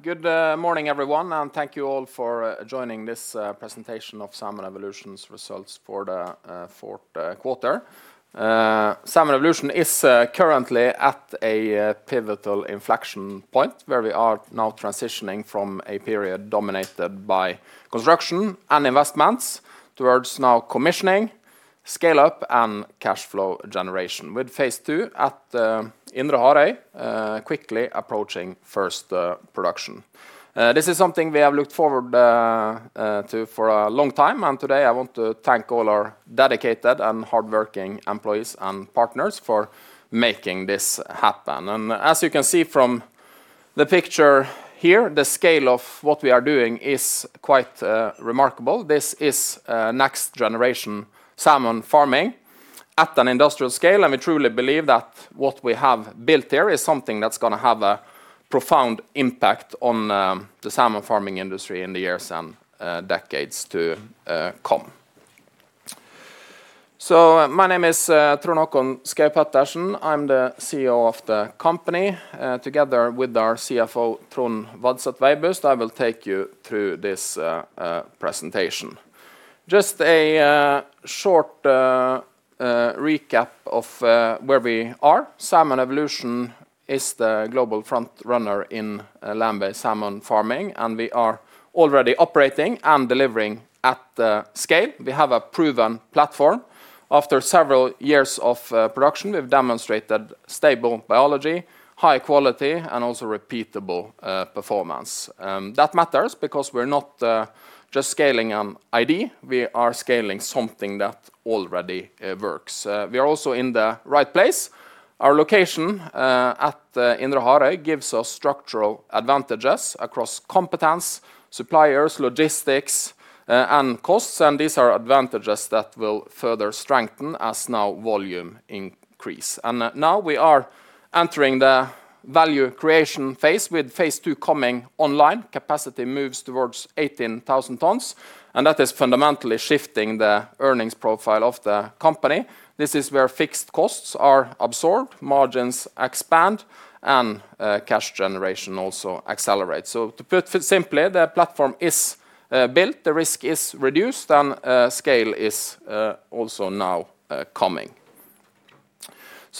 Good morning everyone, thank you all for joining this presentation of Salmon Evolution's results for the fourth quarter. Salmon Evolution is currently at a pivotal inflection point, where we are now transitioning from a period dominated by construction and investments towards now commissioning, scale up, and cash flow generation, with phase II at Indre Harøy quickly approaching first production. This is something we have looked forward to for a long time, and today I want to thank all our dedicated and hardworking employees and partners for making this happen. As you can see from the picture here, the scale of what we are doing is quite remarkable. This is next generation salmon farming at an industrial scale, and we truly believe that what we have built here is something that's gonna have a profound impact on the salmon farming industry in the years and decades to come. My name is Trond Håkon Schaug-Pettersen. I'm the CEO of the company. Together with our CFO, Trond Vadset Veibust, I will take you through this presentation. Just a short recap of where we are. Salmon Evolution is the global frontrunner in land-based salmon farming. We are already operating and delivering at the scale. We have a proven platform. After several years of production, we've demonstrated stable biology, high quality, and also repeatable performance. That matters because we're not just scaling an idea, we are scaling something that already works. We are also in the right place. Our location at Indre Harøy gives us structural advantages across competence, suppliers, logistics, and costs. These are advantages that will further strengthen as now volume increase. Now we are entering the value creation phase. With phase II coming online, capacity moves towards 18,000 tons. That is fundamentally shifting the earnings profile of the company. This is where fixed costs are absorbed, margins expand, and cash generation also accelerates. To put simply, the platform is built, the risk is reduced, and scale is also now coming.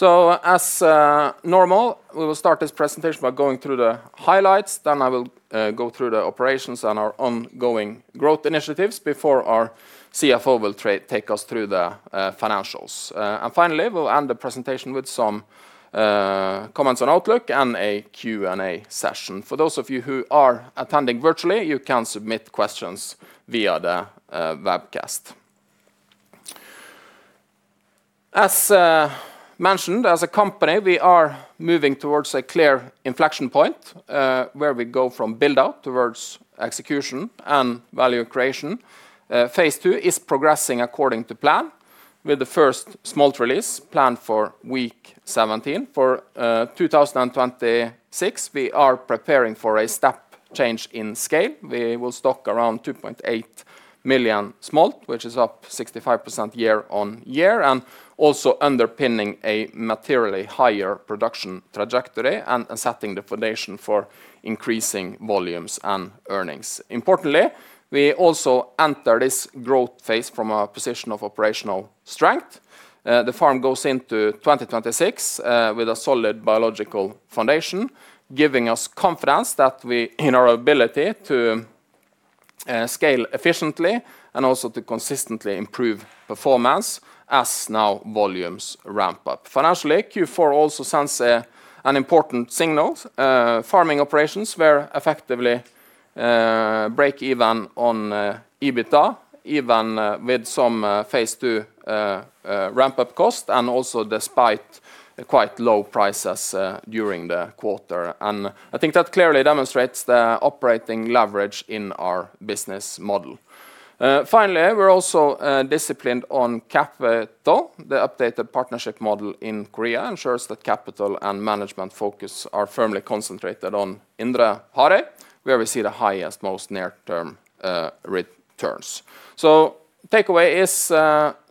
As normal, we will start this presentation by going through the highlights. I will go through the operations and our ongoing growth initiatives before our CFO will take us through the financials. Finally, we'll end the presentation with some comments on Outlook and a Q&A session. For those of you who are attending virtually, you can submit questions via the webcast. As mentioned, as a company, we are moving towards a clear inflection point, where we go from build-out towards execution and value creation. phase II is progressing according to plan, with the first smolt release planned for week 17. For 2026, we are preparing for a step change in scale. We will stock around 2.8 million smolt, which is up 65% year-on-year, and also underpinning a materially higher production trajectory and setting the foundation for increasing volumes and earnings. Importantly, we also enter this growth phase from a position of operational strength. The farm goes into 2026 with a solid biological foundation, giving us confidence in our ability to scale efficiently and also to consistently improve performance as now volumes ramp up. Financially, Q4 also sends an important signal. Farming operations were effectively break even on EBITDA, even with some phase II ramp-up cost, and also despite quite low prices during the quarter. I think that clearly demonstrates the operating leverage in our business model. Finally, we're also disciplined on capital. The updated partnership model in Korea ensures that capital and management focus are firmly concentrated on Indre Harøy, where we see the highest, most near-term returns. Takeaway is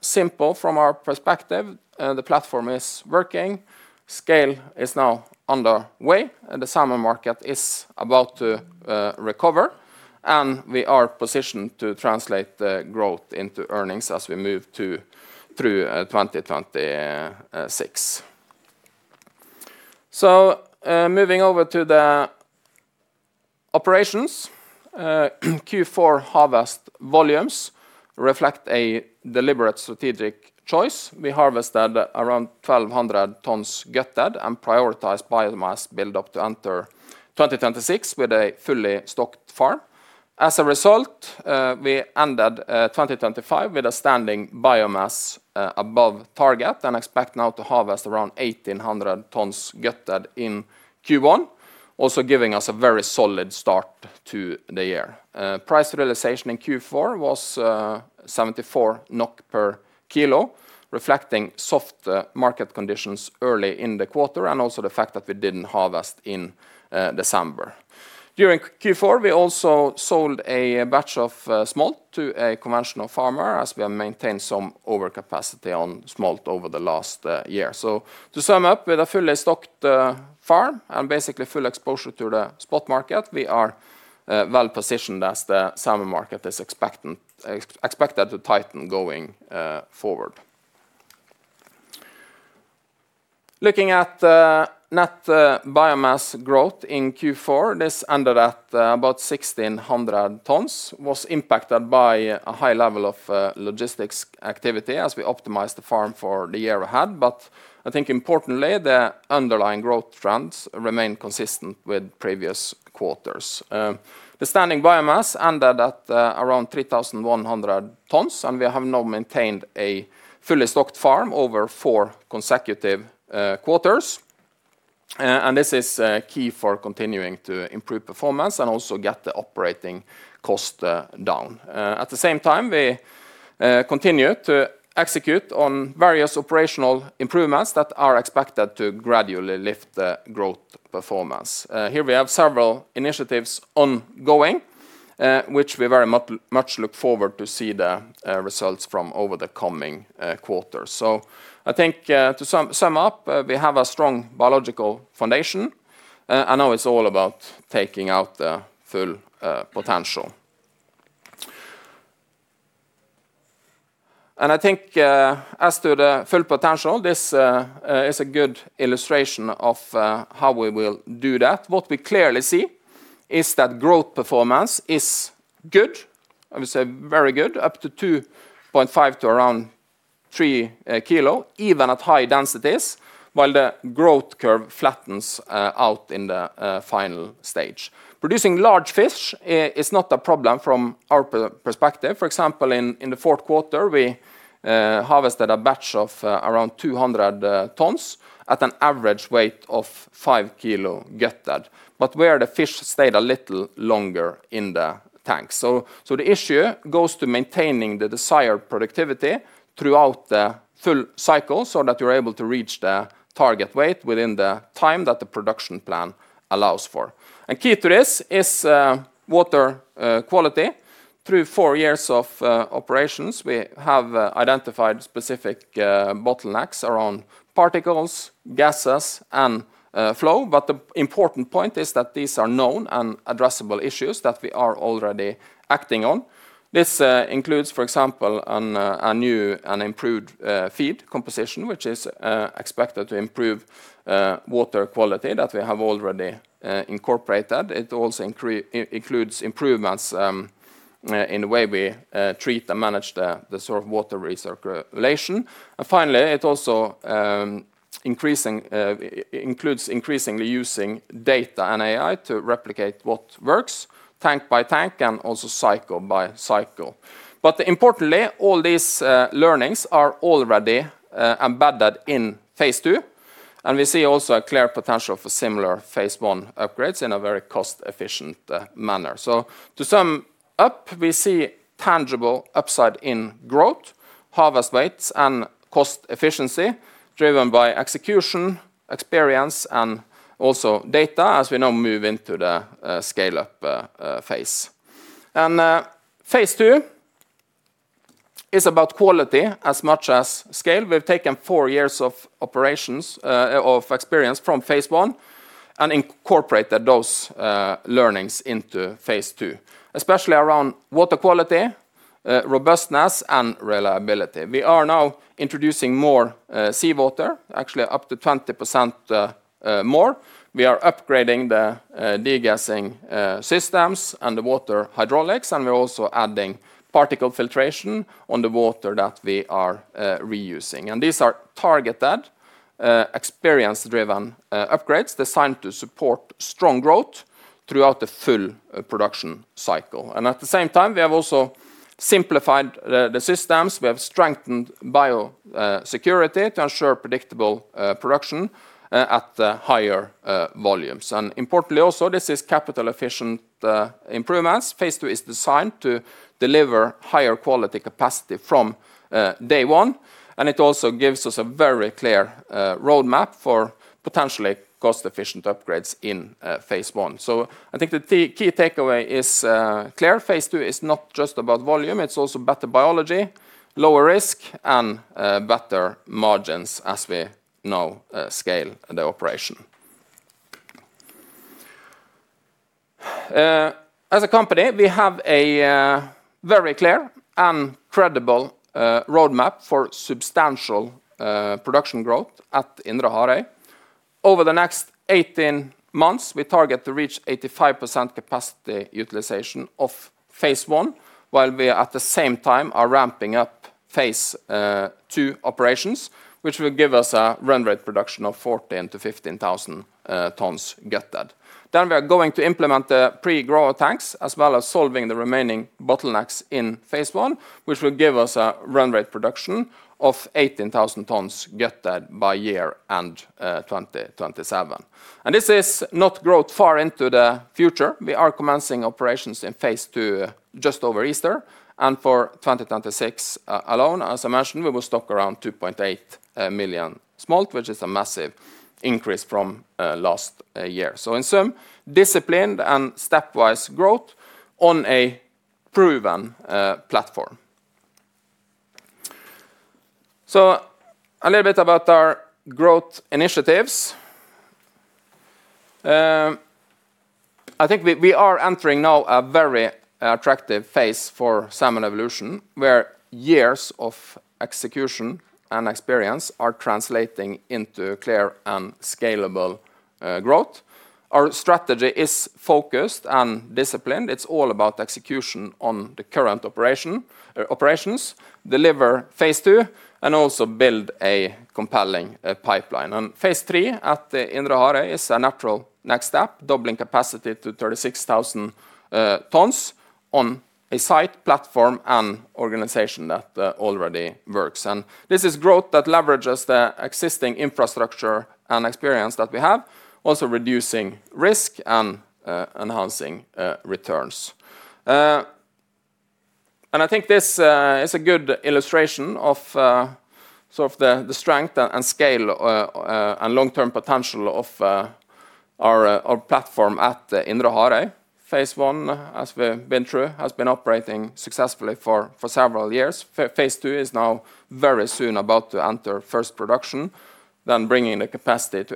simple from our perspective. The platform is working, scale is now on the way, and the salmon market is about to recover, and we are positioned to translate the growth into earnings as we move to through 2026. Moving over to the operations, Q4 harvest volumes reflect a deliberate strategic choice. We harvested around 1,200 tons gutted and prioritized biomass build-up to enter 2026 with a fully stocked farm. As a result, we ended 2025 with a standing biomass above target and expect now to harvest around 1,800 tons gutted in Q1, also giving us a very solid start to the year. Price realization in Q4 was 74 NOK per kilo, reflecting soft market conditions early in the quarter and also the fact that we didn't harvest in December. During Q4, we also sold a batch of smolt to a conventional farmer, as we have maintained some overcapacity on smolt over the last year. To sum up, with a fully stocked farm and basically full exposure to the spot market, we are well positioned as the salmon market is expected to tighten going forward. Looking at net biomass growth in Q4, this ended at about 1,600 tons, was impacted by a high level of logistics activity as we optimized the farm for the year ahead. I think importantly, the underlying growth trends remain consistent with previous quarters. The standing biomass ended at around 3,100 tons, and we have now maintained a fully stocked farm over four consecutive quarters. This is key for continuing to improve performance and also get the operating cost down. At the same time, we continue to execute on various operational improvements that are expected to gradually lift the growth performance. Here we have several initiatives ongoing, which we very much look forward to see the results from over the coming quarters. I think to sum up, we have a strong biological foundation, and now it's all about taking out the full potential. I think as to the full potential, this is a good illustration of how we will do that. What we clearly see is that growth performance is good. I would say very good, up to 2.5 to around 3 kilo, even at high densities, while the growth curve flattens out in the final stage. Producing large fish is not a problem from our perspective. For example, in, in the fourth quarter, we harvested a batch of around 200 tons at an average weight of 5 kilo gutted, but where the fish stayed a little longer in the tank. The issue goes to maintaining the desired productivity throughout the full cycle so that you're able to reach the target weight within the time that the production plan allows for. Key to this is water quality. Through four years of operations, we have identified specific bottlenecks around particles, gases, and flow. The important point is that these are known and addressable issues that we are already acting on. This includes, for example, a new and improved feed composition, which is expected to improve water quality that we have already incorporated. It also includes improvements in the way we treat and manage the sort of water recirculation. Finally, it also includes increasingly using data and AI to replicate what works, tank by tank and also cycle by cycle. Importantly, all these learnings are already embedded in phase II, and we see also a clear potential for similar phase I upgrades in a very cost-efficient manner. To sum up, we see tangible upside in growth, harvest weights, and cost efficiency, driven by execution, experience, and also data, as we now move into the scale-up phase. phase II is about quality as much as scale. We've taken four years of operations of experience from phase I and incorporated those learnings into phase II, especially around water quality, robustness, and reliability. We are now introducing more seawater, actually up to 20% more. We are upgrading the degassing systems and the water hydraulics, and we're also adding particle filtration on the water that we are reusing. These are targeted, experience-driven upgrades designed to support strong growth throughout the full production cycle. At the same time, we have also simplified the systems. We have strengthened biosecurity to ensure predictable production at the higher volumes. Importantly, also, this is capital efficient improvements. phase II is designed to deliver higher quality capacity from day one, and it also gives us a very clear roadmap for potentially cost-efficient upgrades in phase I. I think the key takeaway is clear: phase II is not just about volume, it's also better biology, lower risk, and better margins as we now scale the operation. As a company, we have a very clear and credible roadmap for substantial production growth at Indre Harøy. Over the next 18 months, we target to reach 85% capacity utilization of phase I, while we, at the same time, are ramping up phase II operations, which will give us a run rate production of 14,000 tons-15,000 tons gutted. We are going to implement the pre-grower tanks, as well as solving the remaining bottlenecks in phase I, which will give us a run rate production of 18,000 tons gutted by year end 2027. This is not growth far into the future. We are commencing operations in phase II just over Easter, for 2026 alone, as I mentioned, we will stock around 2.8 million smolt, which is a massive increase from last year. In sum, disciplined and stepwise growth on a proven platform. A little bit about our growth initiatives. I think we are entering now a very attractive phase for Salmon Evolution, where years of execution and experience are translating into clear and scalable growth. Our strategy is focused and disciplined. It's all about execution on the current operations, deliver phase II, and also build a compelling pipeline. phase III at Indre Harøy is a natural next step, doubling capacity to 36,000 tons on a site platform and organization that already works. This is growth that leverages the existing infrastructure and experience that we have, also reducing risk and enhancing returns. I think this is a good illustration of sort of the strength and scale and long-term potential of our platform at Indre Harøy. phase I, as we've been through, has been operating successfully for several years. phase II is now very soon about to enter first production, then bringing the capacity to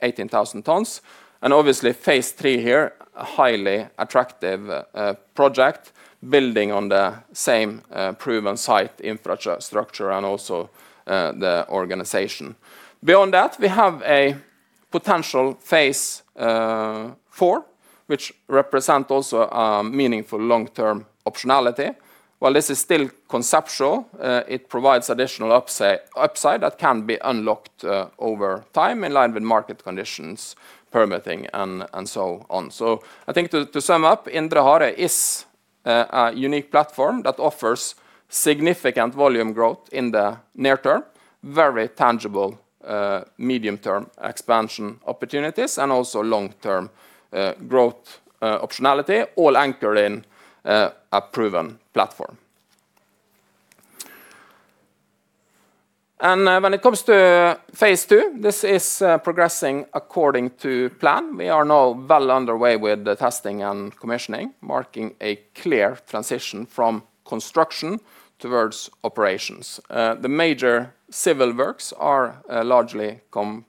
18,000 tons. Obviously, phase III here, a highly attractive project, building on the same proven site infrastructure and also the organization. Beyond that, we have a potential phase IV, which represent also meaningful long-term optionality. While this is still conceptual, it provides additional upside that can be unlocked over time, in line with market conditions, permitting, and so on. I think to sum up, Indre Harøy is a unique platform that offers significant volume growth in the near term, very tangible medium-term expansion opportunities, and also long-term growth optionality, all anchored in a proven platform. When it comes to phase II, this is progressing according to plan. We are now well underway with the testing and commissioning, marking a clear transition from construction towards operations. The major civil works are largely complete.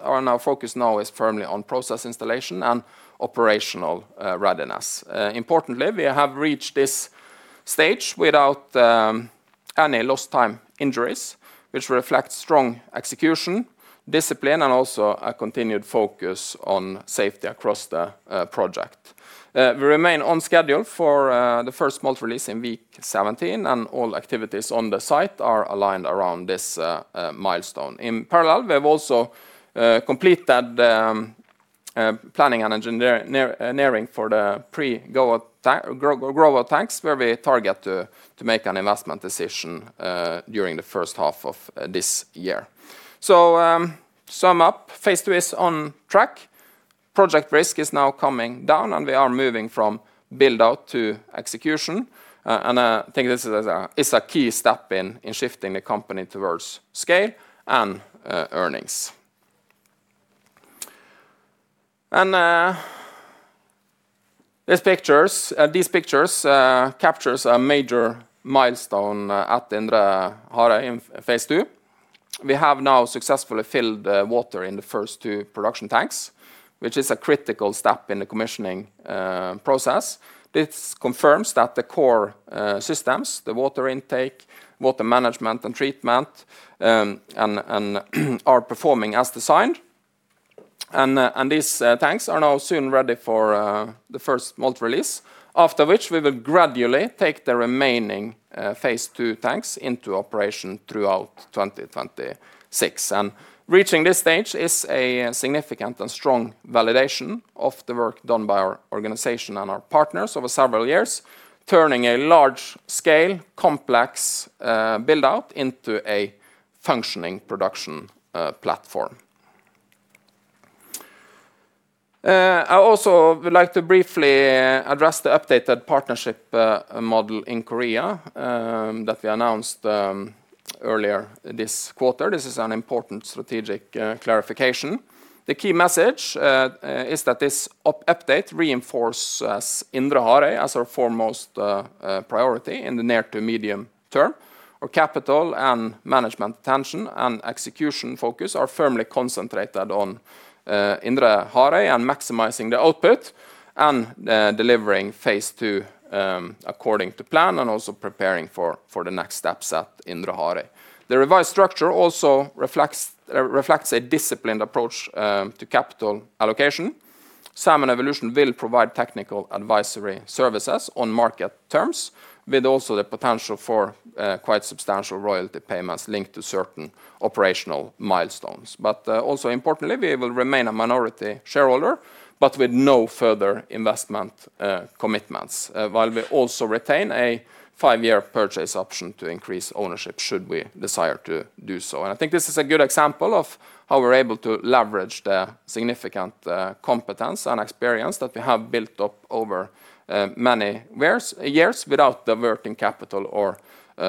Our focus now is firmly on process installation and operational readiness. Importantly, we have reached this stage without any lost time injuries, which reflects strong execution, discipline, and also a continued focus on safety across the project. We remain on schedule for the first smolt release in week 17, and all activities on the site are aligned around this milestone. In parallel, we have also completed planning and nearing for the pre-grow-out tank, grower tanks, where we target to make an investment decision during the first half of this year. Sum up, phase II is on track. Project risk is now coming down, and we are moving from build-out to execution. I think this is a key step in shifting the company towards scale and earnings. These pictures captures a major milestone at Indre Harøy in phase II. We have now successfully filled the water in the first two production tanks, which is a critical step in the commissioning process. This confirms that the core systems, the water intake, water management, and treatment and are performing as designed. These tanks are now soon ready for the first smolt release, after which we will gradually take the remaining phase II tanks into operation throughout 2026. Reaching this stage is a significant and strong validation of the work done by our organization and our partners over several years, turning a large-scale, complex build-out into a functioning production platform. I also would like to briefly address the updated partnership model in Korea that we announced earlier this quarter. This is an important strategic clarification. The key message is that this update reinforces Indre Harøy as our foremost priority in the near to medium term. Our capital and management attention and execution focus are firmly concentrated on Indre Harøy and maximizing the output and delivering phase II according to plan, and also preparing for the next steps at Indre Harøy. The revised structure also reflects a disciplined approach to capital allocation. Salmon Evolution will provide technical advisory services on market terms, with also the potential for quite substantial royalty payments linked to certain operational milestones. Also importantly, we will remain a minority shareholder, with no further investment commitments, while we also retain a five-year purchase option to increase ownership, should we desire to do so. I think this is a good example of how we're able to leverage the significant competence and experience that we have built up over many years, without the working capital or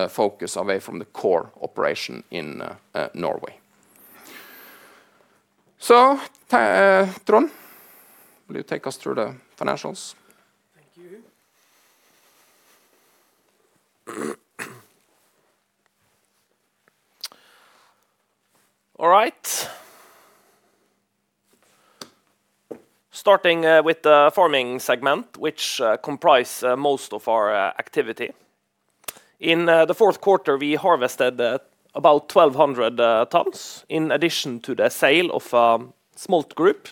focus away from the core operation in Norway. Trond, will you take us through the financials? All right. Starting with the farming segment, which comprise most of our activity. In the fourth quarter, we harvested about 1,200 tons in addition to the sale of a smolt group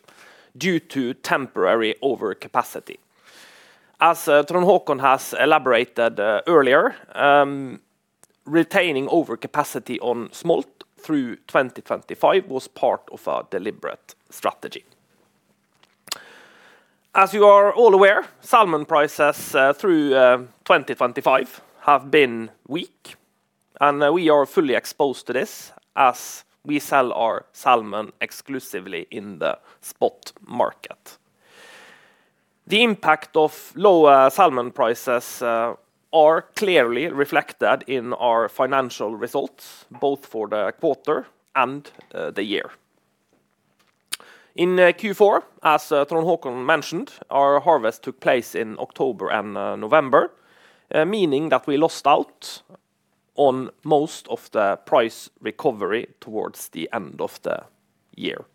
due to temporary overcapacity. As Trond Håkon has elaborated earlier, retaining overcapacity on smolt through 2025 was part of our deliberate strategy. As you are all aware, salmon prices through 2025 have been weak, and we are fully exposed to this as we sell our salmon exclusively in the spot market. The impact of low salmon prices are clearly reflected in our financial results, both for the quarter and the year. In Q4, as Trond Håkon mentioned, our harvest took place in October and November, meaning that we lost out on most of the price recovery towards the end of the year.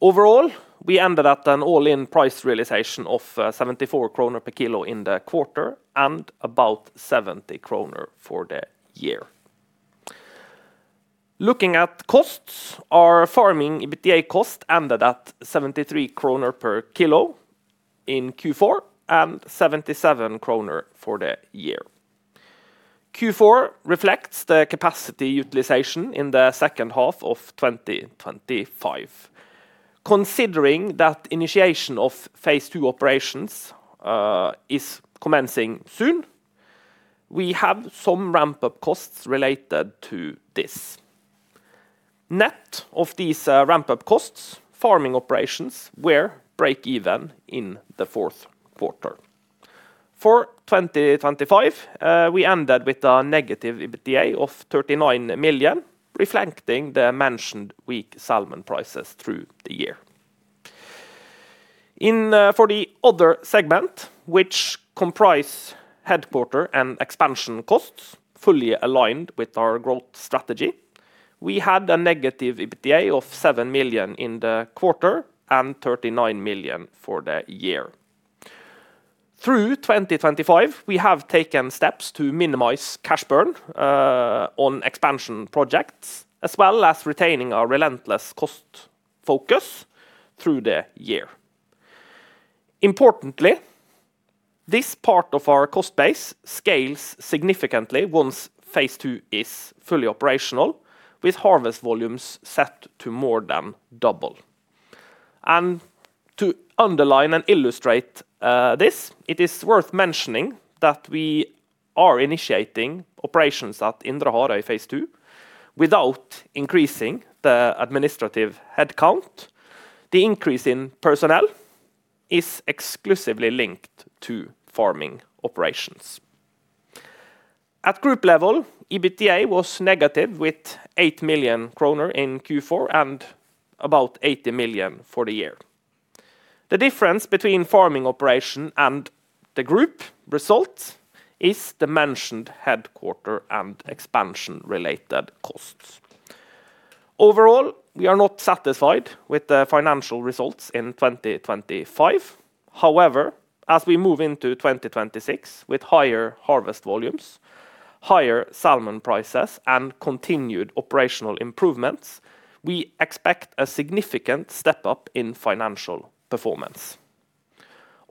Overall, we ended up an all-in price realization of 74 kroner per kilo in the quarter and about 70 kroner for the year. Looking at costs, our farming EBITDA cost ended at 73 kroner per kilo in Q4 and 77 kroner for the year. Q4 reflects the capacity utilization in the second half of 2025. Considering that initiation of phase II operations is commencing soon, we have some ramp-up costs related to this. Net of these ramp-up costs, farming operations were break even in the fourth quarter. For 2025, we ended with a negative EBITDA of 39 million, reflecting the mentioned weak salmon prices through the year. In for the other segment, which comprise headquarter and expansion costs, fully aligned with our growth strategy, we had a negative EBITDA of 7 million in the quarter and 39 million for the year. Through 2025, we have taken steps to minimize cash burn on expansion projects, as well as retaining our relentless cost focus through the year. Importantly, this part of our cost base scales significantly once phase II is fully operational, with harvest volumes set to more than double. To underline and illustrate this, it is worth mentioning that we are initiating operations at Indre Harøy phase II without increasing the administrative headcount. The increase in personnel is exclusively linked to farming operations. At group level, EBITDA was negative, with 8 million kroner in Q4 and about 80 million for the year. The difference between farming operation and the group results is the mentioned headquarter and expansion-related costs. Overall, we are not satisfied with the financial results in 2025. As we move into 2026, with higher harvest volumes, higher salmon prices, and continued operational improvements, we expect a significant step-up in financial performance.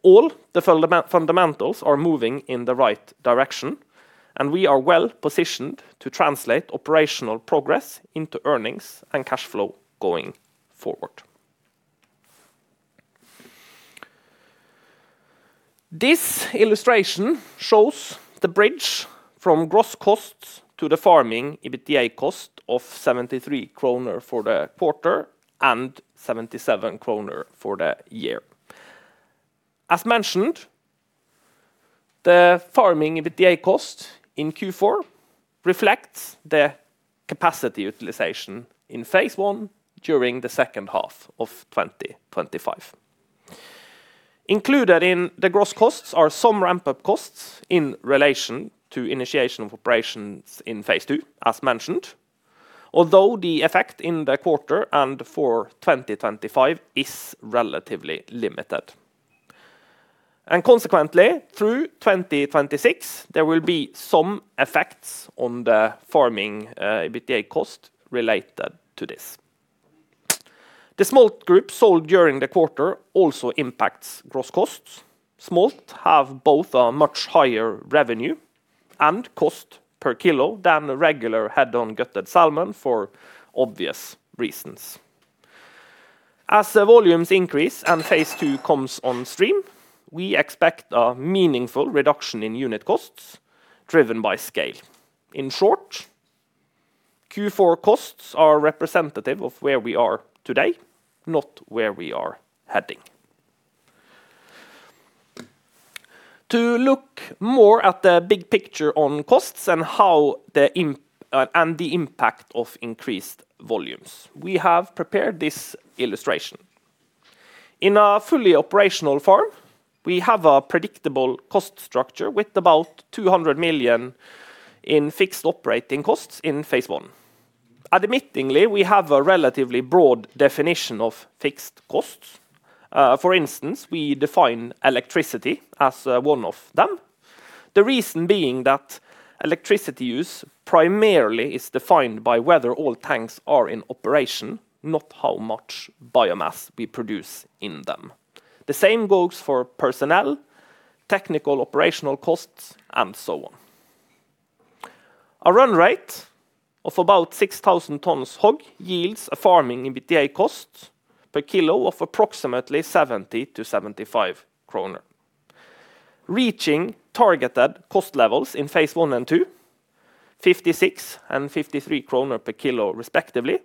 All the fundamentals are moving in the right direction, and we are well-positioned to translate operational progress into earnings and cash flow going forward. This illustration shows the bridge from gross costs to the farming EBITDA cost of 73 kroner for the quarter and 77 kroner for the year. As mentioned, the farming EBITDA cost in Q4 reflects the capacity utilization in phase I during the second half of 2025. Included in the gross costs are some ramp-up costs in relation to initiation of operations in phase II, as mentioned, although the effect in the quarter and for 2025 is relatively limited. Consequently, through 2026, there will be some effects on the farming EBITDA cost related to this. The smolt group sold during the quarter also impacts gross costs. Smolt have both a much higher revenue and cost per kilo than the regular head-on gutted salmon, for obvious reasons. As the volumes increase and phase II comes on stream, we expect a meaningful reduction in unit costs driven by scale. In short, Q4 costs are representative of where we are today, not where we are heading. To look more at the big picture on costs and how the impact of increased volumes, we have prepared this illustration. In a fully operational farm, we have a predictable cost structure with about 200 million in fixed operating costs in phase I. Admittingly, we have a relatively broad definition of fixed costs. For instance, we define electricity as one of them. The reason being that electricity use primarily is defined by whether all tanks are in operation, not how much biomass we produce in them. The same goes for personnel, technical operational costs, and so on. A run rate of about 6,000 tons HOG yields a farming EBITDA cost per kilo of approximately 70-75 kroner. Reaching targeted cost levels in phase I and II, 56 and 53 kroner per kilo, respectively,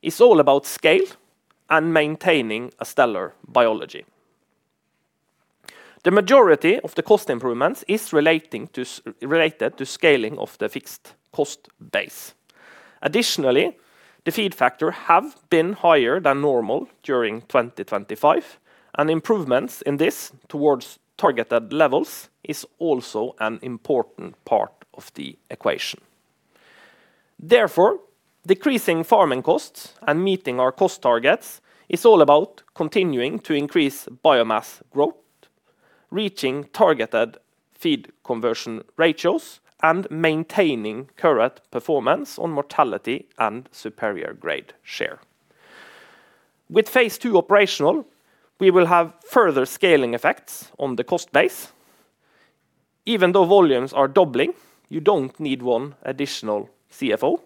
is all about scale and maintaining a stellar biology. The majority of the cost improvements is related to scaling of the fixed cost base. Additionally, the feed factor have been higher than normal during 2025, and improvements in this towards targeted levels is also an important part of the equation. Therefore, decreasing farming costs and meeting our cost targets is all about continuing to increase biomass growth, reaching targeted feed conversion ratios, and maintaining current performance on mortality and superior grade share. With phase II operational, we will have further scaling effects on the cost base. Even though volumes are doubling, you don't need one additional CFO.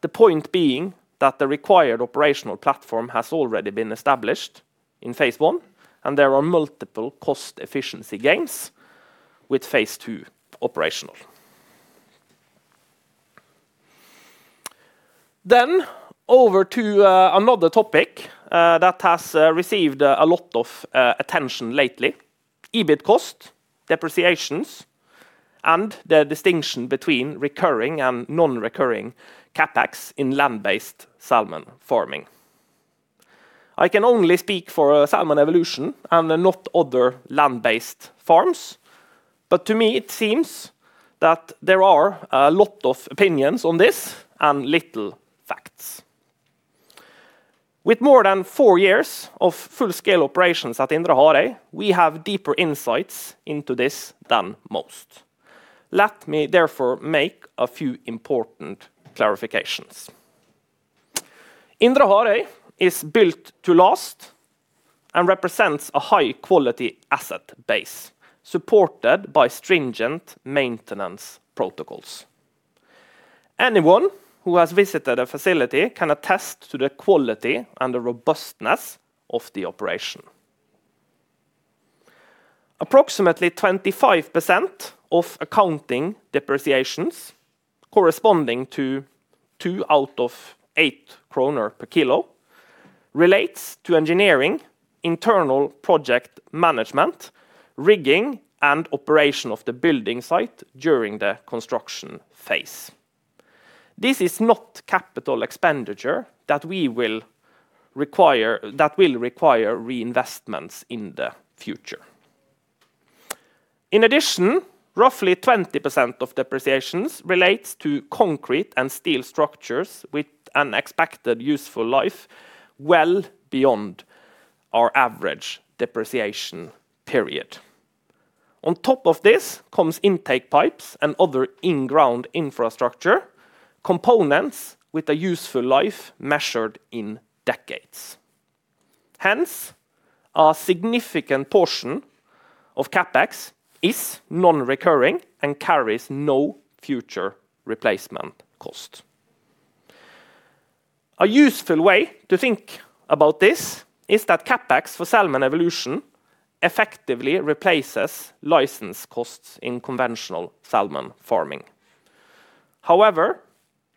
The point being that the required operational platform has already been established in phase I, and there are multiple cost efficiency gains with phase II operational. Over to another topic that has received a lot of attention lately: EBIT cost, depreciations, and the distinction between recurring and non-recurring CapEx in land-based salmon farming. I can only speak for Salmon Evolution and not other land-based farms, but to me, it seems that there are a lot of opinions on this and little facts. With more than four years of full-scale operations at Indre Harøy, we have deeper insights into this than most. Let me therefore make a few important clarifications. Indre Harøy is built to last and represents a high-quality asset base, supported by stringent maintenance protocols. Anyone who has visited a facility can attest to the quality and the robustness of the operation. Approximately 25% of accounting depreciations, corresponding to two out of 8 kroner per kilo, relates to engineering, internal project management, rigging, and operation of the building site during the construction phase. This is not capital expenditure that will require reinvestments in the future. In addition, roughly 20% of depreciations relates to concrete and steel structures with an expected useful life well beyond our average depreciation period. On top of this, comes intake pipes and other in-ground infrastructure, components with a useful life measured in decades. Hence, a significant portion of CapEx is non-recurring and carries no future replacement cost. A useful way to think about this is that CapEx for Salmon Evolution effectively replaces license costs in conventional salmon farming. However,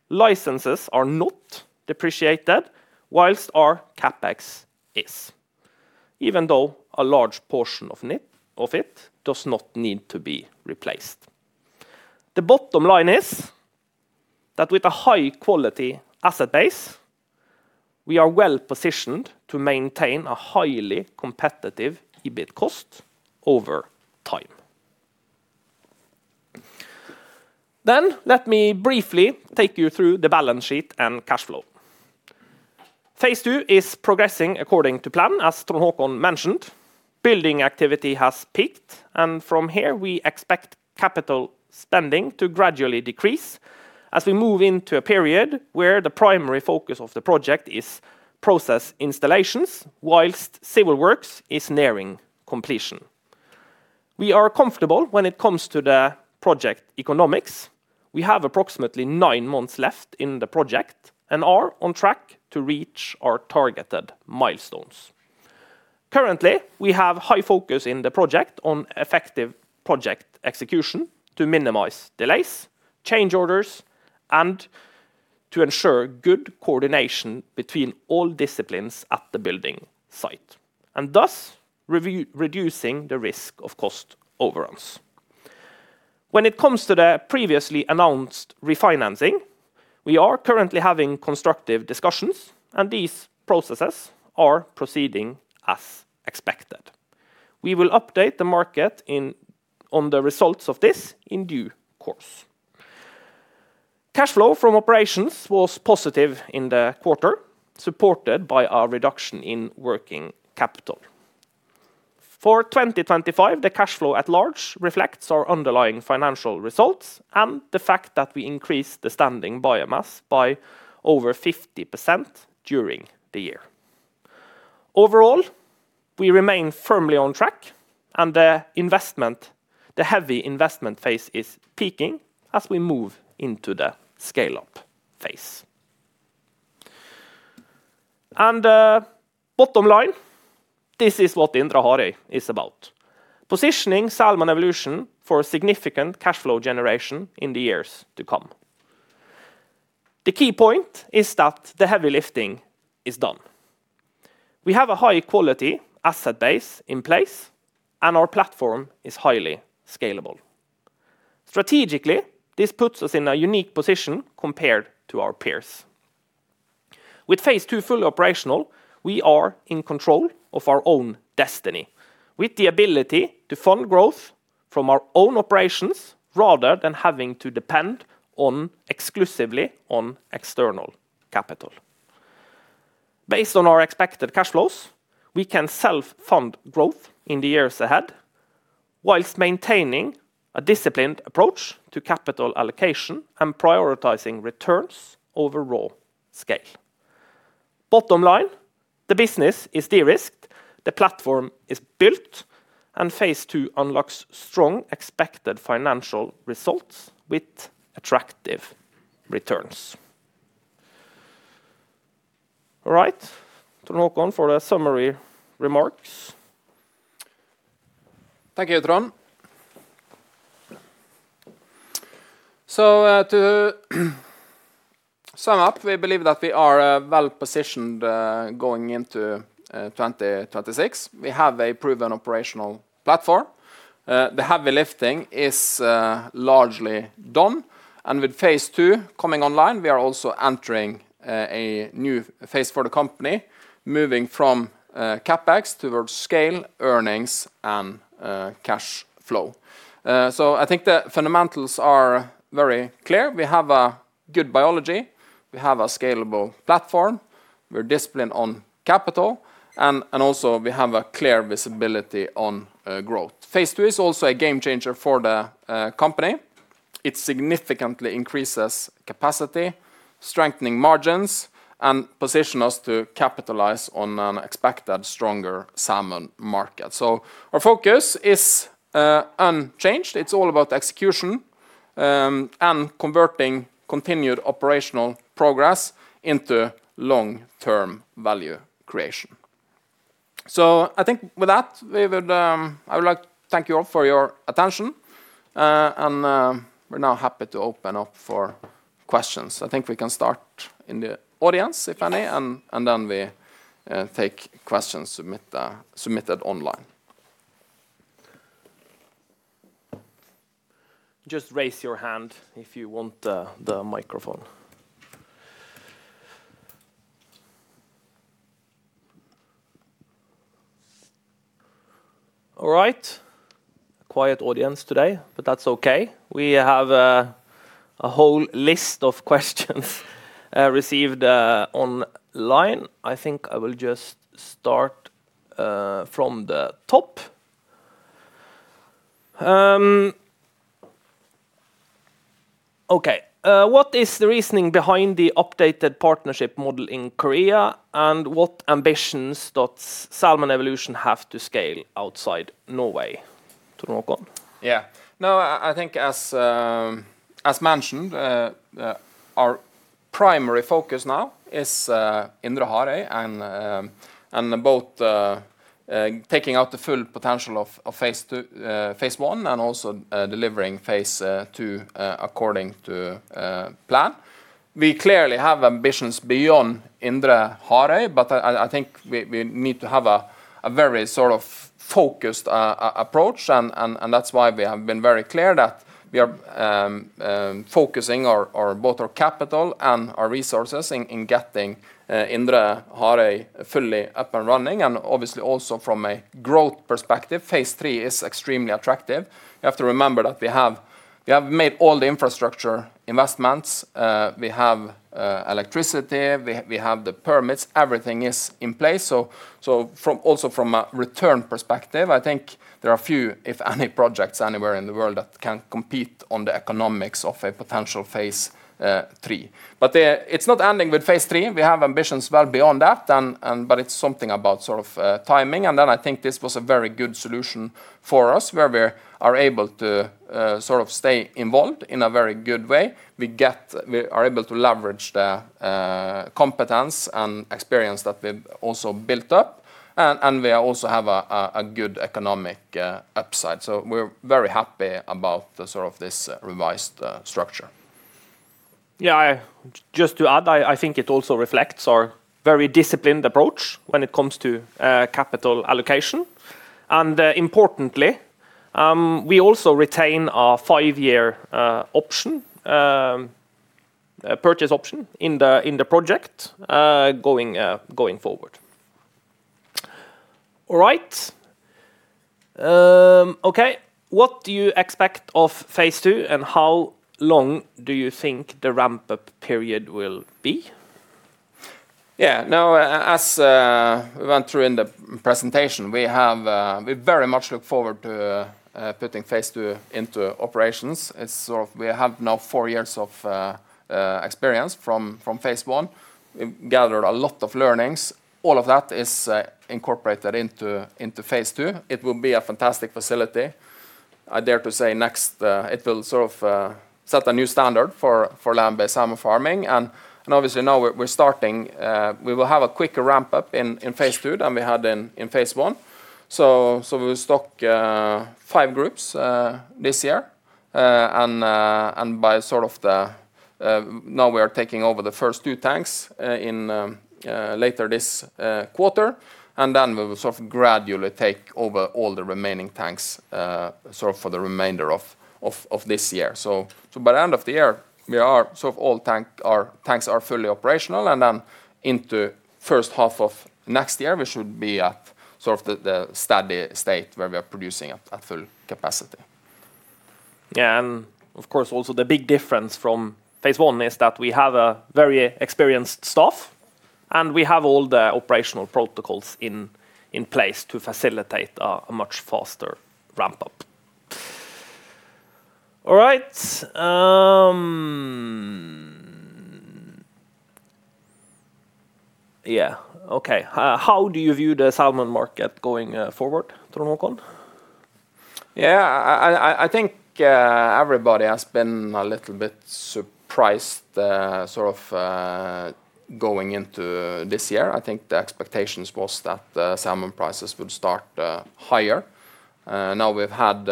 licenses are not depreciated, whilst our CapEx is, even though a large portion of it does not need to be replaced. The bottom line is that with a high-quality asset base, we are well-positioned to maintain a highly competitive EBIT cost over time. Let me briefly take you through the balance sheet and cash flow. phase II is progressing according to plan, as Trond Håkon mentioned. Building activity has peaked, and from here, we expect capital spending to gradually decrease as we move into a period where the primary focus of the project is process installations, whilst civil works is nearing completion. We are comfortable when it comes to the project economics. We have approximately nine months left in the project and are on track to reach our targeted milestones. Currently, we have high focus in the project on effective project execution to minimize delays, change orders, and to ensure good coordination between all disciplines at the building site, and thus, reducing the risk of cost overruns. When it comes to the previously announced refinancing, we are currently having constructive discussions, and these processes are proceeding as expected. We will update the market on the results of this in due course. Cash flow from operations was positive in the quarter, supported by our reduction in working capital. For 2025, the cash flow at large reflects our underlying financial results and the fact that we increased the standing biomass by over 50% during the year. Overall, we remain firmly on track, and the investment, the heavy investment phase is peaking as we move into the scale-up phase. Bottom line, this is what Indre Harøy is about: positioning Salmon Evolution for significant cash flow generation in the years to come. The key point is that the heavy lifting is done. We have a high-quality asset base in place, and our platform is highly scalable. Strategically, this puts us in a unique position compared to our peers. With phase II fully operational, we are in control of our own destiny, with the ability to fund growth from our own operations rather than having to depend on exclusively on external capital. Based on our expected cash flows, we can self-fund growth in the years ahead, whilst maintaining a disciplined approach to capital allocation and prioritizing returns over raw scale. Bottom line, the business is de-risked, the platform is built, and phase II unlocks strong expected financial results with attractive returns. All right, to Trond Håkon for the summary remarks. Thank you, Trond. To sum up, we believe that we are well-positioned going into 2026. We have a proven operational platform. The heavy lifting is largely done, and with phase II coming online, we are also entering a new phase for the company, moving from CapEx towards scale, earnings, and cash flow. I think the fundamentals are very clear. We have a good biology, we have a scalable platform, we're disciplined on capital, and also we have a clear visibility on growth. phase II is also a game changer for the company. It significantly increases capacity, strengthening margins, and position us to capitalize on an expected stronger salmon market. Our focus is unchanged. It's all about execution and converting continued operational progress into long-term value creation. I think with that, I would like to thank you all for your attention, and we're now happy to open up for questions. We can start in the audience, if any, and then we take questions submitted online. Just raise your hand if you want the microphone. All right. Quiet audience today, but that's okay. We have a whole list of questions received online. I think I will just start from the top. Okay. What is the reasoning behind the updated partnership model in Korea, and what ambitions does Salmon Evolution have to scale outside Norway? Trond Håkon? Yeah. No, I think as mentioned, our primary focus now is Indre Harøy and about taking out the full potential of phase I, and also delivering phase II according to plan. We clearly have ambitions beyond Indre Harøy, but I think we need to have a very sort of focused approach, and that's why we have been very clear that we are focusing our both our capital and our resources in getting Indre Harøy fully up and running. Obviously, also from a growth perspective, phase III is extremely attractive. You have to remember that we have made all the infrastructure investments, we have electricity, we have the permits. Everything is in place. Also from a return perspective, I think there are few, if any, projects anywhere in the world that can compete on the economics of a potential phase III. It's not ending with phase III. We have ambitions well beyond that, and but it's something about sort of timing. I think this was a very good solution for us, where we are able to sort of stay involved in a very good way. We are able to leverage the competence and experience that we've also built up, and we also have a good economic upside. We're very happy about the sort of this revised structure. Yeah, just to add, I think it also reflects our very disciplined approach when it comes to capital allocation. Importantly, we also retain our five-year option, purchase option in the project, going forward. All right. Okay. What do you expect of phase II, and how long do you think the ramp-up period will be? Yeah. Now, as we went through in the presentation, we have, we very much look forward to putting phase II into operations. It's sort of we have now four years of experience from phase I. We've gathered a lot of learnings. All of that is incorporated into phase II. It will be a fantastic facility. I dare to say next, it will sort of set a new standard for land-based salmon farming and obviously now we're starting, we will have a quicker ramp-up in phase II than we had in phase I. we will stock five groups this year and by sort of the. Now we are taking over the first two tanks, in later this quarter. Then we will sort of gradually take over all the remaining tanks for the remainder of this year. By the end of the year, we are sort of all tanks are fully operational. Then into first half of next year, we should be at sort of the steady state where we are producing at full capacity. Of course, also the big difference from phase I is that we have a very experienced staff, and we have all the operational protocols in place to facilitate a much faster ramp-up. All right. Okay. How do you view the salmon market going forward, Trond Håkon? Yeah, I think everybody has been a little bit surprised, sort of, going into this year. I think the expectations was that the salmon prices would start higher. Now we've had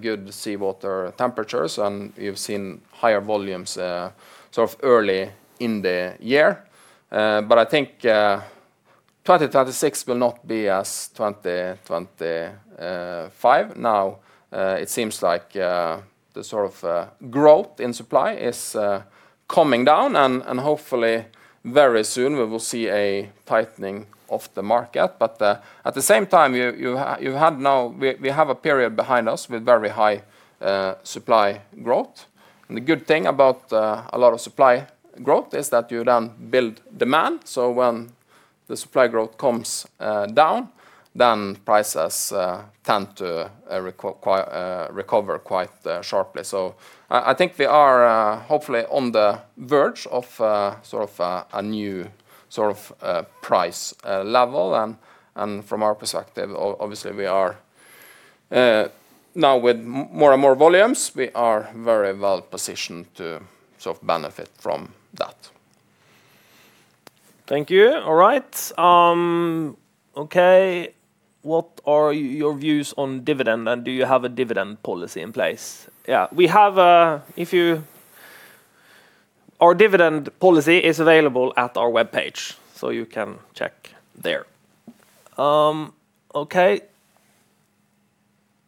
good seawater temperatures, and we've seen higher volumes, sort of early in the year. But I think 2026 will not be as 2025. Now, it seems like the sort of growth in supply is coming down, and hopefully very soon we will see a tightening of the market. At the same time, you had now, we have a period behind us with very high supply growth. The good thing about a lot of supply growth is that you then build demand. When the supply growth comes down, then prices tend to recover quite sharply. I, I think we are hopefully on the verge of sort of a new sort of price level. From our perspective, obviously, we are now with more and more volumes, we are very well positioned to sort of benefit from that. Thank you. All right. Okay, what are your views on dividend, and do you have a dividend policy in place? Yeah. We have. Our dividend policy is available at our webpage, so you can check there. Okay.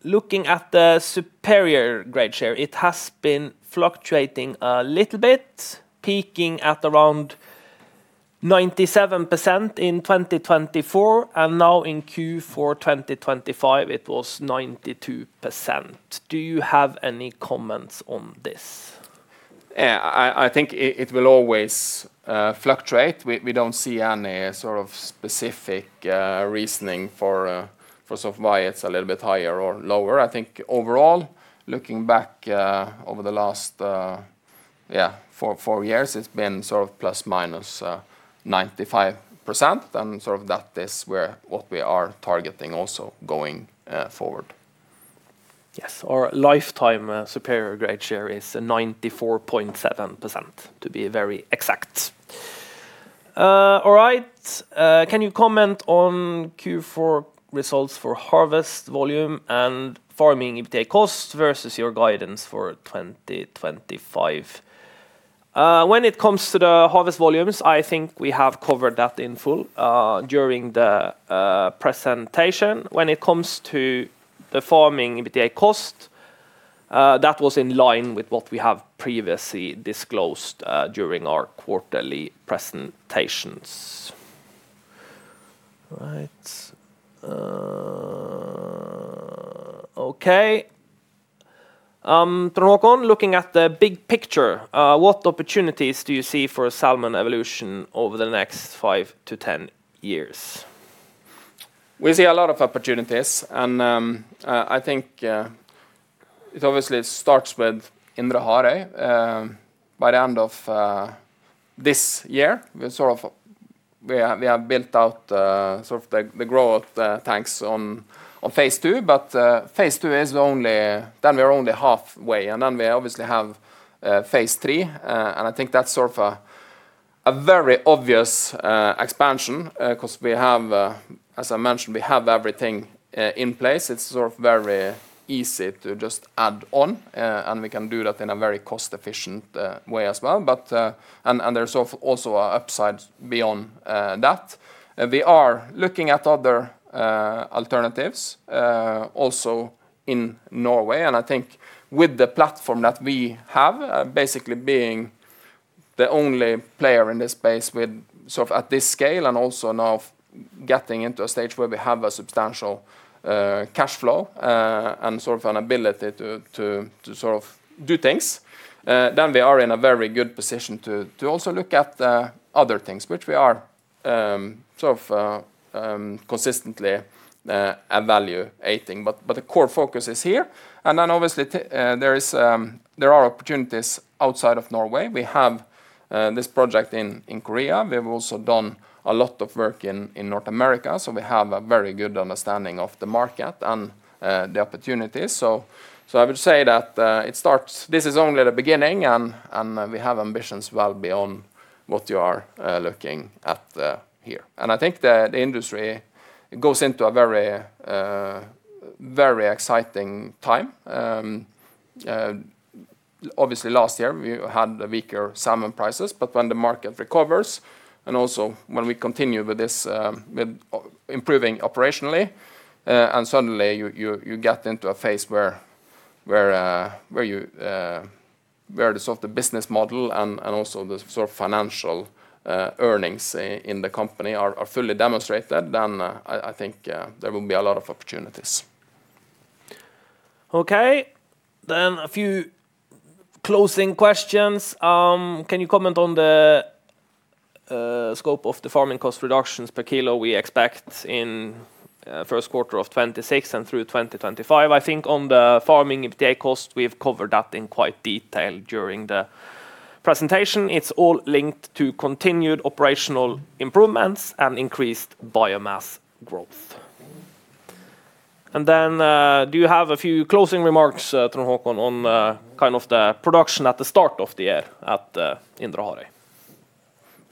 Looking at the superior grade share, it has been fluctuating a little bit, peaking at around 97% in 2024, and now in Q4 2025, it was 92%. Do you have any comments on this? Yeah, I think it will always fluctuate. We don't see any sort of specific reasoning for sort of why it's a little bit higher or lower. I think overall, looking back over the last, yeah, four years, it's been sort of ±95%, and sort of that is where, what we are targeting also going forward. Yes. Our lifetime superior grade share is 94.7%, to be very exact. All right. Can you comment on Q4 results for harvest volume and farming EBITDA cost versus your guidance for 2025? When it comes to the harvest volumes, I think we have covered that in full during the presentation. When it comes to the farming EBITDA cost, that was in line with what we have previously disclosed during our quarterly presentations. Right. Okay. Trond Håkon, looking at the big picture, what opportunities do you see for Salmon Evolution over the next five to 10 years? We see a lot of opportunities, and I think it obviously starts with Indre Harøy. By the end of this year, we have built out the growth tanks on phase II. phase II is only. We are only halfway, we obviously have phase III, I think that's a very obvious expansion because we have, as I mentioned, we have everything in place. It's very easy to just add on, and we can do that in a very cost-efficient way as well. There's also a upside beyond that. We are looking at other alternatives also in Norway. I think with the platform that we have, basically being the only player in this space with sort of at this scale, and also now of getting into a stage where we have a substantial cash flow, and sort of an ability to sort of do things, then we are in a very good position to also look at the other things, which we are sort of consistently evaluating. The core focus is here. Then obviously, there are opportunities outside of Norway. We have this project in Korea. We've also done a lot of work in North America, so we have a very good understanding of the market and the opportunities. I would say that it starts... This is only the beginning, and we have ambitions well beyond what you are looking at here. I think the industry goes into a very exciting time. Obviously last year, we had a weaker salmon prices, but when the market recovers and also when we continue with this, with improving operationally, and suddenly you get into a phase where you where the sort of the business model and also the sort of financial earnings in the company are fully demonstrated, then, I think there will be a lot of opportunities. Okay. A few closing questions. Can you comment on the scope of the farming cost reductions per kilo we expect in first quarter of 2026 and through 2025? I think on the farming EBITDA cost, we've covered that in quite detail during the presentation. It's all linked to continued operational improvements and increased biomass growth. Do you have a few closing remarks, Trond Håkon, on kind of the production at the start of the year at the in Indre Harøy?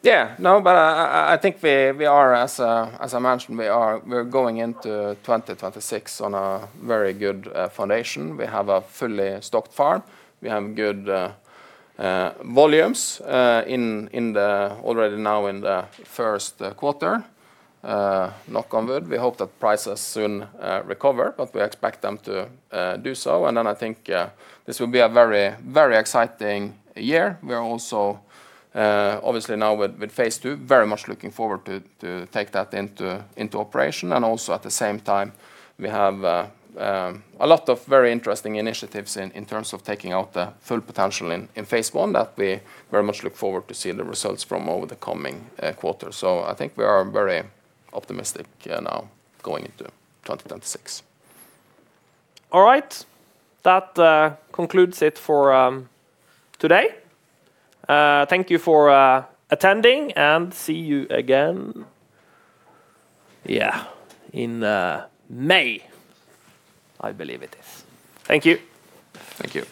I think we are as I mentioned, we're going into 2026 on a very good foundation. We have a fully stocked farm. We have good volumes in the already now in the first quarter. Knock on wood, we hope that prices soon recover, but we expect them to do so. I think this will be a very, very exciting year. We are also obviously now with phase II, very much looking forward to take that into operation. At the same time, we have a lot of very interesting initiatives in terms of taking out the full potential in phase I that we very much look forward to seeing the results from over the coming quarters. I think we are very optimistic, now going into 2026. All right. That concludes it for today. Thank you for attending. See you again in May, I believe it is. Thank you. Thank you.